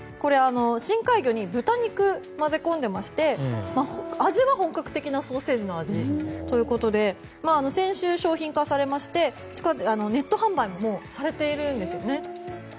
深海魚に豚肉を混ぜ込んでいて味は本格的なソーセージの味ということで先週、商品化されましてネット販売もされているんですよね。